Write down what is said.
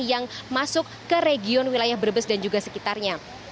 yang masuk ke region wilayah brebes dan juga sekitarnya